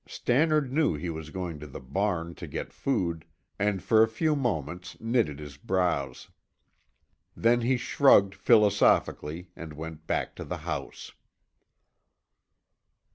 Stannard knew he was going to the barn to get food, and for a few moments knitted his brows. Then he shrugged philosophically and went back to the house.